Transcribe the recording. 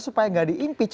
supaya nggak di impeach